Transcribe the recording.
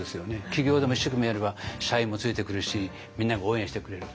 企業でも一生懸命やれば社員もついてくるしみんなが応援してくれる。